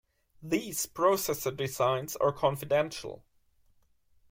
These processor designs are confidential.